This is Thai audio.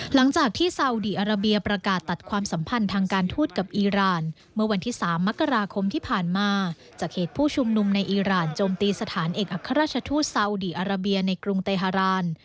หลังจากที่ซาวดีอาราเบียประกาศตัดความสัมพันธ์ทางการทูตกับอีรานเมื่อวันที่๓มกราคมที่ผ่านมาจากเหตุผู้ชุมนุมในอีรานโจมตีสถานเอกอัครราชทูตซาอุดีอาราเบียในกรุงเตฮาราน